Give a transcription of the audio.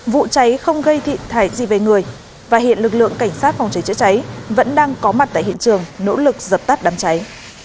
vụ cháy không gây thiệt hại gì về người và hiện lực lượng cảnh sát phòng cháy chữa cháy vẫn đang có mặt tại hiện trường nỗ lực dập tắt đám cháy